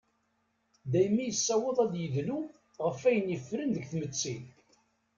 Daymi yessaweḍ ad d-yedlu ɣef ayen yeffren deg tmetti.